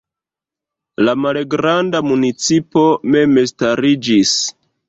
La malgranda municipo memstariĝis.